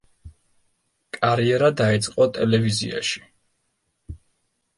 კარიერა დაიწყო ტელევიზიაში.